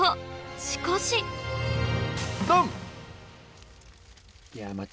しかしドン！